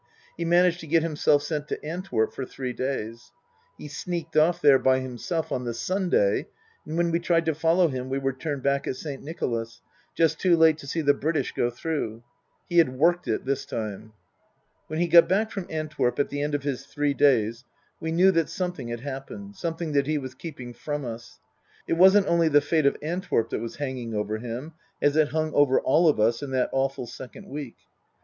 He managed to get himself sent to Antwerp for three days. He sneaked off there by himself on the Sunday, and when we tried to follow him we were turned back at Saint Nicolas, just too late to see the British go through. He had worked it this time. When he got back from Antwerp at the end of his three days we knew that something had happened, something that he was keeping from us. It wasn't only the fate of Antwerp that was hanging over him, as it hung over all of us in that awful second week.